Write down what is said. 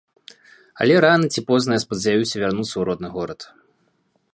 Але рана ці позна я спадзяюся вярнуцца ў родны горад.